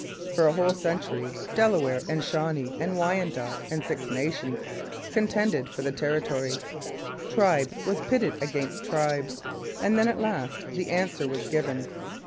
For a whole century Delaware and Shawnee and Wyandot and Six Nations contended for the territory; tribe was pitted against tribe, and then at last the answer was given.